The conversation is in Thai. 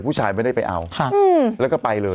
ผู้ชายไม่ได้ไปเอาแล้วก็ไปเลย